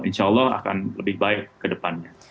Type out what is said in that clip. insya allah akan lebih baik kedepannya